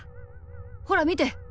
ほらみて！